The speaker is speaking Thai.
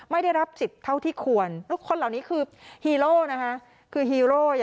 ไม่ได้รับสิทธิ์เท่าที่ควรคนเหล่านี้คือฮีโร่นะคะ